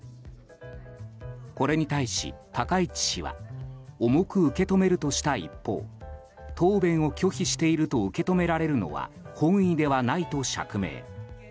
これに対し高市氏は重く受け止めるとした一方答弁を拒否していると受け止められるのは本意ではないと釈明。